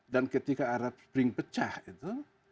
dan ketika arab spring pecah itu